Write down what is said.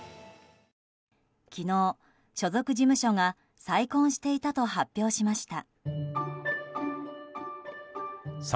昨日、所属事務所が再婚していたと発表しました。